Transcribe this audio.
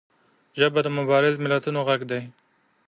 ژبه د مبارزو ملتونو غږ دی